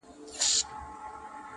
نصیب د جهاني په نوم یوه مینه لیکلې٫